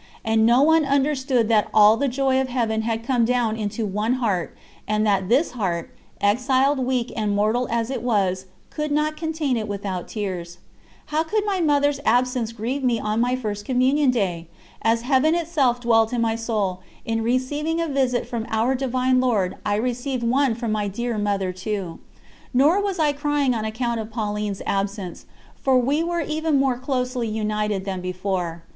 And no one understood that all the joy of Heaven had come down into one heart, and that this heart, exiled, weak, and mortal as it was, could not contain it without tears. How could my Mother's absence grieve me on my First Communion Day? As Heaven itself dwelt in my soul, in receiving a visit from Our Divine Lord I received one from my dear Mother too. Nor was I crying on account of Pauline's absence, for we were even more closely united than before.